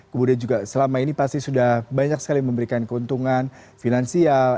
kemudian juga selama ini pasti sudah banyak sekali memberikan keuntungan finansial